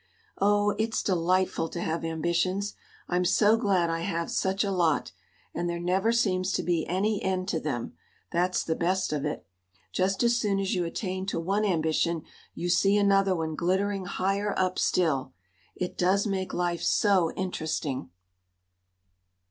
Oh, it's delightful to have ambitions. I'm so glad I have such a lot. And there never seems to be any end to them that's the best of it. Just as soon as you attain to one ambition you see another one glittering higher up still. It does make life so interesting."